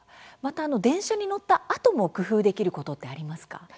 電車に乗ったあとも工夫できることってありますか？